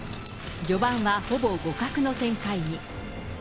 序盤はほぼ互角の展開に。